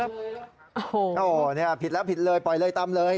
โอ้โฮนี่ผิดแล้วปล่อยเลยตำเลย